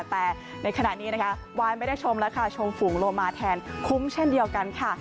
แต่ในขณะนี้นะคะวายไม่ได้ชมแล้วค่ะชมฝูงโลมาแทนคุ้มเช่นเดียวกันค่ะ